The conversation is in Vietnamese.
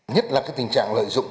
nhất là cái tình trạng lợi dụng